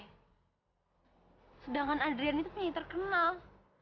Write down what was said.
sedangkan adrian itu punya terkenal